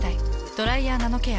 「ドライヤーナノケア」。